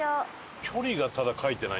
距離がただ書いてない。